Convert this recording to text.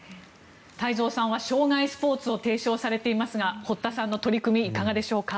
太蔵さんは生涯スポーツを提唱されていますが堀田さんの取り組みいかがでしょうか。